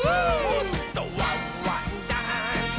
「もっと」「ワンワンダンス！」